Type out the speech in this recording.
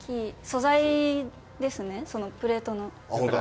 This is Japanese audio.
素材ですね、プレートの。